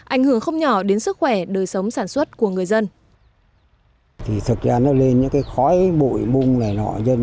ảnh hưởng không nhỏ đến sức khỏe đời sống sản xuất của người dân